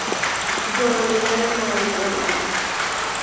جانور مرجانی